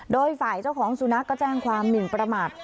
โดยฝ่ายเจ้าของสุนัขก็แจ้งความหมินประมาท